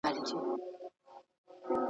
ستړیا څنګه له منځه ځي؟